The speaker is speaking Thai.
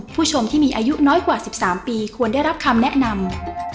ผู้ชมที่มีอายุน้อยกว่า๑๓ปีควรได้รับคำแนะนำ